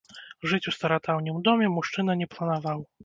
Жыць у старадаўнім доме мужчына не планаваў.